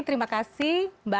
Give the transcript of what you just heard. terima kasih mbak